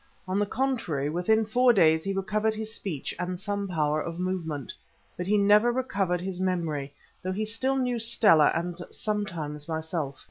On the contrary, within four days he recovered his speech and some power of movement. But he never recovered his memory, though he still knew Stella, and sometimes myself.